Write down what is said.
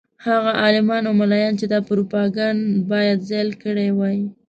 هغه عالمان او ملایان چې دا پروپاګند باید زایل کړی وای.